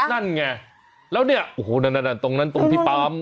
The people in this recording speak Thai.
นั่นไงแล้วเนี่ยโอ้โหนั่นตรงนั้นตรงที่ปั๊ม